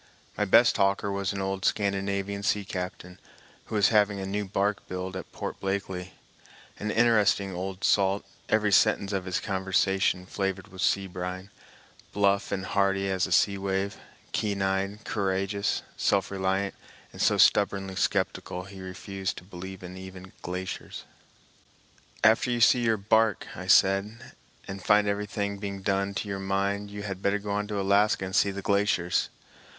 My best talker was an old Scandinavian sea captain, who was having a new bark built at Port Blakely,—an interesting old salt, every sentence of his conversation flavored with sea brine, bluff and hearty as a sea wave, keen eyed, courageous, self reliant, and so stubbornly skeptical he refused to believe even in glaciers. "After you see your bark," I said, "and find everything being done to your mind, you had better go on to Alaska and see the glaciers."